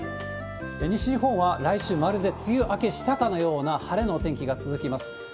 西日本は来週、まるで梅雨明けしたかのような晴れのお天気が続きます。